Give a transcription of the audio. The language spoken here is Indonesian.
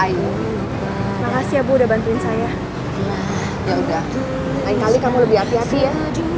yaudah lain kali kamu lebih hati hati ya